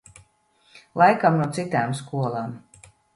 Laikam no citām skolām.